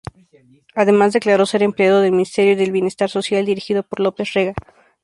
Además declaró ser empleado del Ministerio de Bienestar Social, dirigido por López Rega.